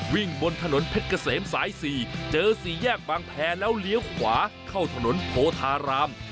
วิ่งบนถนนเพชรเกษมสาย๔เจอ๔แยกบางแพร่แล้วเลี้ยวขวาเข้าถนนโพธาราม